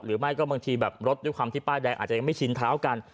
หรือไม่ก็บางทีแบบรถด้วยความที่ป้ายแดงอาจจะยังไม่ชินเท้ากัน